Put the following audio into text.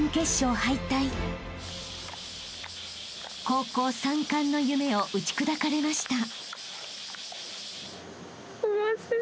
［高校三冠の夢を打ち砕かれました］